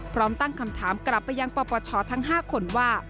พร้อมตั้งคำถามกลับไปยังปปชทั้ง๕คนว่า